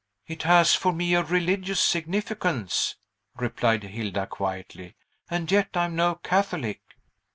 "It has for me a religious significance," replied Hilda quietly, "and yet I am no Catholic."